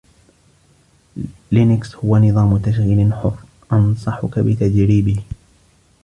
لينكس هو نظام تشغيل حر؛ أنصحك بتجريبه!